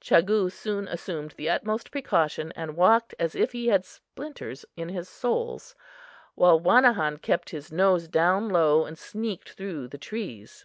Chagoo soon assumed the utmost precaution and walked as if he had splinters in his soles, while Wanahon kept his nose down low and sneaked through the trees.